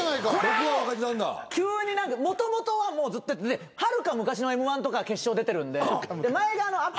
これを急にもともとはもうずっとやっててはるか昔のＭ−１とか決勝出てるんで前がアップ